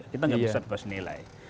kita tidak bisa bebas nilai